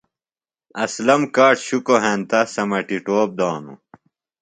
اسلم کاڇ شکو ہینتہ سمٹی ٹوپ دانو ۔